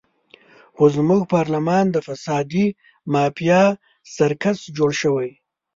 خو زموږ پارلمان د فسادي مافیا سرکس جوړ شوی.